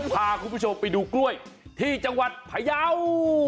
พาคุณผู้ชมไปดูกล้วยที่จังหวัดพยาว